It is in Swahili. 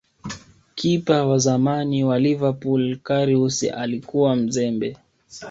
kipa wa zamani wa Liverpool Karius alikuwa mzembe